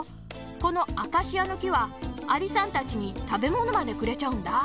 このアカシアのきはアリさんたちにたべものまでくれちゃうんだ。